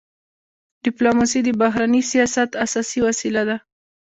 ډيپلوماسي د بهرني سیاست اساسي وسیله ده.